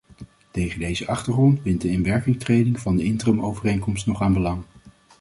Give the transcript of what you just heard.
Tegen deze achtergrond wint de inwerkingtreding van de interimovereenkomst nog aan belang.